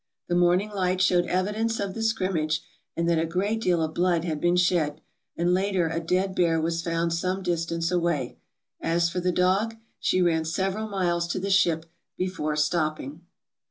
" The morning light showed evidences of the scrimmage, and that a great deal of blood had been shed; and later a dead bear was found some distance away. As for the dog, she ran several miles to the ship before stopping.